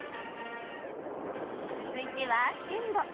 続いては鮮度。